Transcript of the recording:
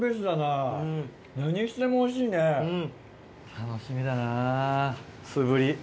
楽しみだなすぶり。